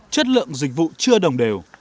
chất lượng dịch vụ chưa đồng đều